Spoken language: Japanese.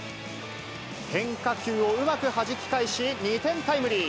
変化球をうまくはじき返し、２点タイムリー。